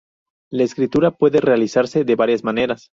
La escritura puede realizarse de varias maneras.